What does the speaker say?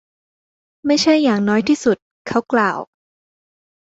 ไม่ใช่อย่างน้อยที่สุด. เขากล่าว